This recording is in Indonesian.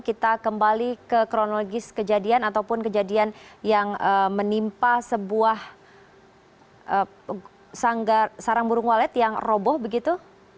kita kembali ke kronologis kejadian ataupun kejadian yang menimpa sebuah sarang burung walet yang roboh begitu